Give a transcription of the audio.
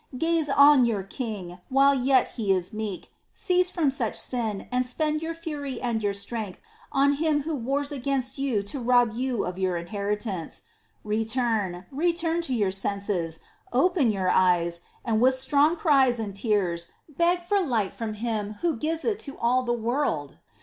Gaze on your King, while yet He is meek ; cease from such sin and spend your fury and your strength on him who wars against you to rob you of your inheritance. Return, return to your senses, open your eyes, and with strong cries and tears beg for light from Him Who gives it to all the world.